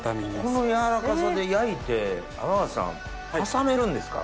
このやわらかさで焼いて天方さん挟めるんですか？